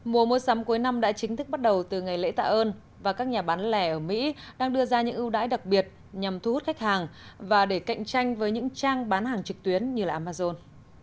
mùa mua sắm cuối năm đã chính thức bắt đầu từ ngày lễ tạ ơn và các nhà bán lẻ ở mỹ đang đưa ra những ưu đãi đặc biệt nhằm thu hút khách hàng và để cạnh tranh với những trang bán hàng trực tuyến như amazon